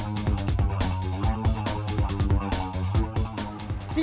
tidak ada yang bisa dikunci